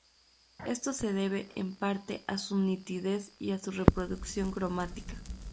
Esto se debe, en parte, a su nitidez y a su reproducción cromática.